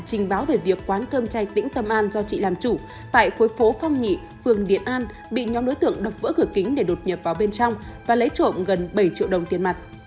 trình báo về việc quán cơm chay tĩnh tâm an do chị làm chủ tại khối phố phong nhị phường điện an bị nhóm đối tượng đập vỡ cửa kính để đột nhập vào bên trong và lấy trộm gần bảy triệu đồng tiền mặt